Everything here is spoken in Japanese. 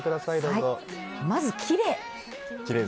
まずきれい。